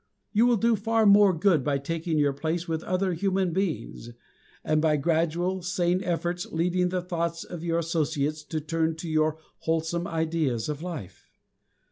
You will do far more good by taking your place with other human beings, and by gradual, sane efforts leading the thoughts of your associates to turn to your wholesome ideas of life.